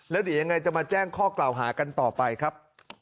แล้วเดี๋ยวยังไงจะมาแจ้งข้อกล่าวหากันต่อไปครับ